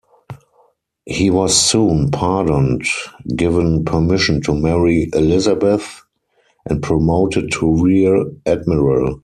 He was soon pardoned, given permission to marry Elizabeth, and promoted to Rear Admiral.